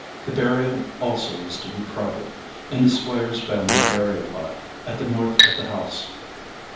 The burial also was to be private, in the Squire's family burial lot, at the north of the house.